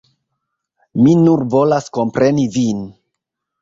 Mi nur volas kompreni vin.